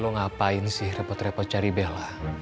lagi yang juga lo ngapain sih repot repot cari bella